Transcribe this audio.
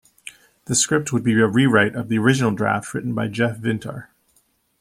The script would be a rewrite of the original draft written by Jeff Vintar.